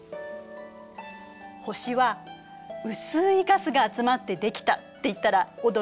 「星は薄いガスが集まってできた」って言ったら驚く？